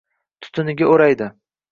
Tutuniga o’raydi.